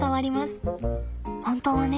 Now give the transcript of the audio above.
本当はね